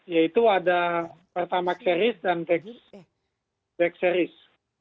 yaitu ada pertamak series dan vex series